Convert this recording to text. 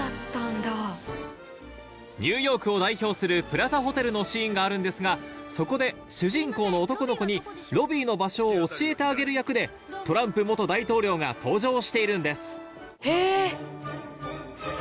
ニューヨークを代表するプラザホテルのシーンがあるんですがそこで主人公の男の子にロビーの場所を教えてあげる役でトランプ大統領が登場しているんですへ！